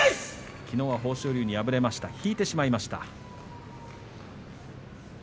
きのうは豊昇龍に敗れました引いてしまいました。